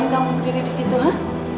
ngapain kamu berdiri di situ ha